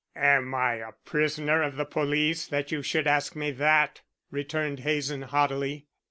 "Am I a prisoner of the police that you should ask me that?" returned Hazen, haughtily.